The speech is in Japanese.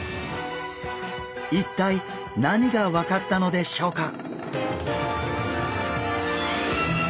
一体何が分かったのでしょうか？